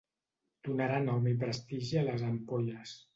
Donarà nom i prestigi a les ampolles.